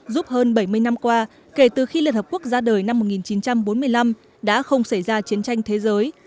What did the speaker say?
giúp hơn bảy mươi năm qua kể từ khi liên hợp quốc ra đời năm một nghìn chín trăm bốn mươi năm đã không xảy ra chiến tranh thế giới